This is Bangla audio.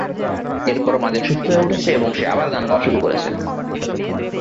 এরপর মাজেক সুস্থ হয়ে উঠেছে এবং সে আবার গান গাওয়া শুরু করেছে।